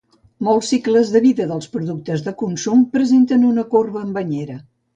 Molts cicles de vida dels productes de consum presenten una corba en banyera.